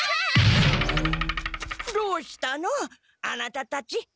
どうしたのあなたたち？